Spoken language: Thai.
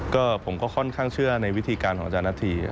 ก็ผมก็ค่อนข้างเชื่อในวิธีการของอาจารย์นาธี